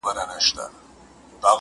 څله راته وایې چې زه ستا یم او ستا نه یمه